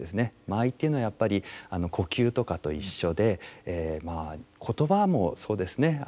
間合いというのはやっぱり呼吸とかと一緒でまあ言葉もそうですね。